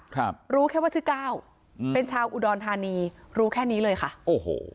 ครับรู้แค่ว่าชื่อก้าวอืมเป็นชาวอุดรธานีรู้แค่นี้เลยค่ะโอ้โห